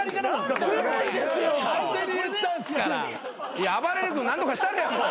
いやあばれる君何とかしたれもう。